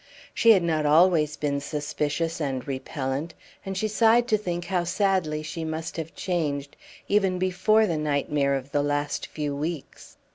She had not always been suspicious and repellent; and she sighed to think how sadly she must have changed, even before the nightmare of the last few weeks.